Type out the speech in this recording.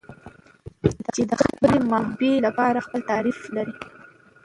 چې د خپلې محبوبې لپاره خپل تعريف لري.